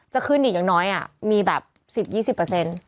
จะขึ้นอีกอย่างน้อยอ่ะมีแบบสิบยี่สิบเปอร์เซ็นต์